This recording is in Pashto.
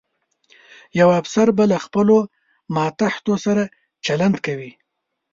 یو افسر به له خپلو ماتحتو سره چلند کوي.